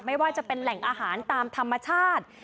ไม่ว่าจะเป็นแหล่งอาหารตามธรรมชาติ